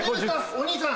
お兄さん。